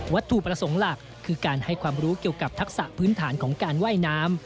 ถูกประสงค์หลักคือการให้ความรู้เกี่ยวกับทักษะพื้นฐานของการว่ายน้ำ